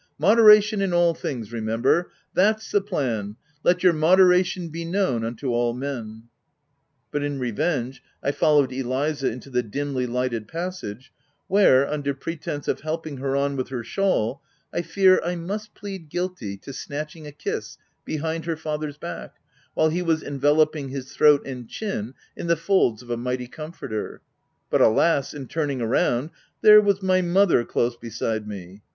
— Modera tion in all things remember ! That's the plan —' Let your moderation be known unto all 80 THE TENANT But in revenge, I followed Eliza into the dimly lighted passage, where under pretence of helping her on with her shawl, I fear I must plead guilty to snatching a kiss behind her father's back, while he was enveloping his throat and chin in the folds of a mighty com forter. But alas ! in turning round, there was my mother close beside me.